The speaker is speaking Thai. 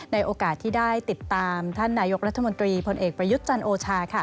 โอกาสที่ได้ติดตามท่านนายกรัฐมนตรีพลเอกประยุทธ์จันทร์โอชา